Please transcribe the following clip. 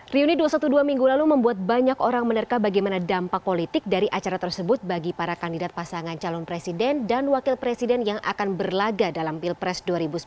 riuni dua ratus dua belas minggu lalu membuat banyak orang menerka bagaimana dampak politik dari acara tersebut bagi para kandidat pasangan calon presiden dan wakil presiden yang akan berlaga dalam pilpres dua ribu sembilan belas